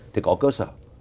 thì có cơ sở